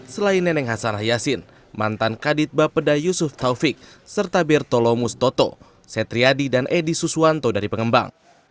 selain neneng hasanah yassin mantan kadit bapeda yusuf taufik serta bertolomustoto setriadi dan edi suswanto dari pengembang